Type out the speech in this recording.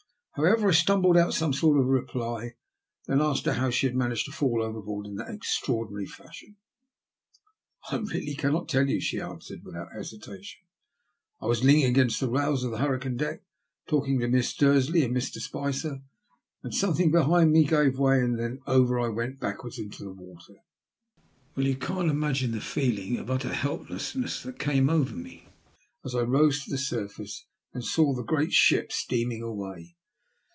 However, I stumbled out some sort of a reply, and then asked her how she had managed to fall overboard in that extra ordinary fashion. ^' I really cannot tell you/' she answered, without hesitation. I was leaning against the rails of the hurricane deck talking to Miss Dursley and Mr. Spicer, when something behind me gave way, and then over I went backwards into the water. Oh, you can't imagine the feeling of utter helplessness that came over me as I rose to the surface and saw the great ship steaming away.